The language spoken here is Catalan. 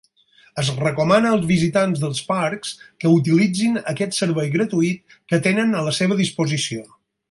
Es recomana als visitants dels parcs que utilitzin aquest servei gratuït que tenen a la seva disposició.